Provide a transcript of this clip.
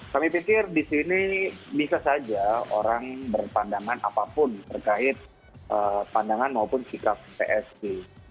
kami pikir di sini bisa saja orang berpandangan apapun terkait pandangan maupun sikap psi